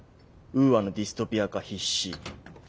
ウーアのディストピア化必至。